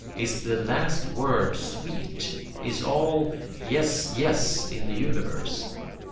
Is the last word sweet? Is all 'yes, yes' in the universe?